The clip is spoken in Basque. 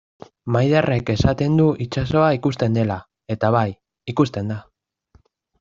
Maiderrek esaten du itsasoa ikusten dela, eta bai, ikusten da.